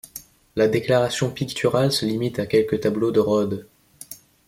La déclaration picturale se limite à quelques tableaux de Rode.